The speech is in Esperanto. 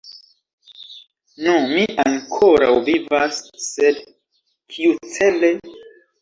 Nu, mi ankoraŭ vivas, sed kiucele?